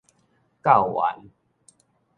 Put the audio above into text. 教員